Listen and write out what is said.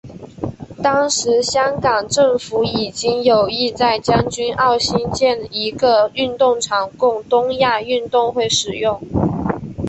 当时香港政府已经有意在将军澳兴建一个运动场供东亚运动会使用。